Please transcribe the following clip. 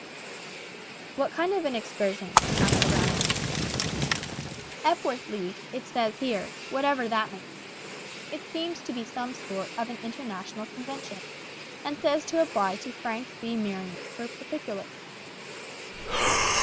"What kind of an excursion?" asked the rabbi. "Epworth League, it says here, whatever that may be. It seems to be some sort of an international convention, and says to apply to Frank B. Marion for particulars."